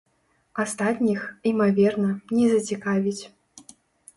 Астатніх, імаверна, не зацікавіць.